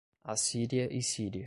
Assíria e Síria